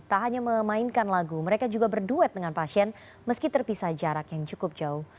tak hanya memainkan lagu mereka juga berduet dengan pasien meski terpisah jarak yang cukup jauh